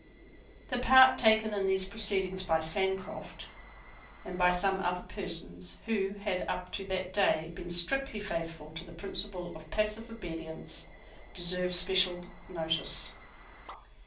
The part taken in these proceedings by Sancroft, and by some other persons who had, up to that day, been strictly faithful to the principle of passive obedience, deserves especial notice.